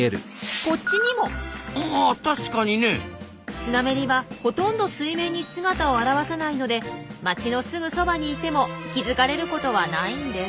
スナメリはほとんど水面に姿を現さないので街のすぐそばにいても気付かれることはないんです。